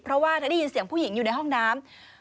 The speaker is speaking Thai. เพราะว่าเธอได้ยินเสียงผู้หญิงอยู่ในห้องน้ำ